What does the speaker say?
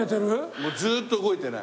もうずーっと動いてない。